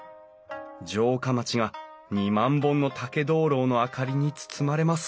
城下町が２万本の竹灯籠の明かりに包まれます